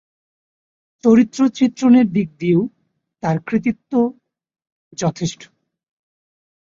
চরিত্র-চিত্রণের দিক দিয়েও তার কৃতিত্ব যথেষ্ট।